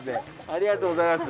ありがとうございます。